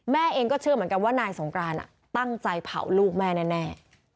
แม่เองก็เชื่อเหมือนกันว่านายสงกรานตั้งใจเผาลูกแม่แน่